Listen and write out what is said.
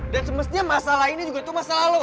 dan semestinya masalah ini juga itu masalah lo